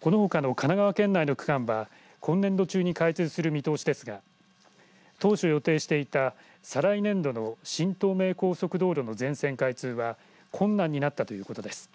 このほかの神奈川県内の区間は今年度中に開通する見通しですが当初予定していた再来年度の新東名高速道路の全線開通は困難になったということです。